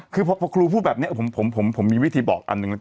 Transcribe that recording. คือพอครูพูดแบบนี้ผมมีวิธีบอกอันหนึ่ง